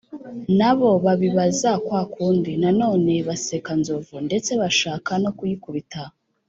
na bo babibaza kwa kundi, na none baseka nzovu, ndetse bashaka no kuyikubita.